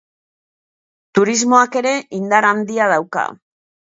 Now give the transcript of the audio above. Turismoak ere indar handia dauka.